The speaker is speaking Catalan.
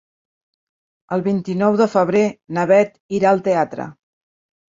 El vint-i-nou de febrer na Bet irà al teatre.